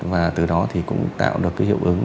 và từ đó thì cũng tạo được cái hiệu ứng